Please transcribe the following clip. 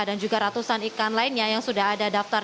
dan juga ratusan ikan lainnya yang sudah ada daftar